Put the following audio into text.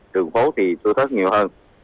đường phố thì tựa thất nhiều hơn